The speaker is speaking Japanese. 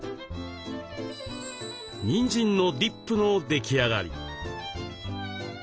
にんじんのディップの出来上がり。